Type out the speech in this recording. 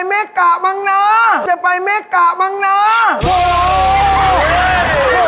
น้ำน้ำน้ำน้ำจะไปเม็กะบ้างนะวั๊ยยยวววววว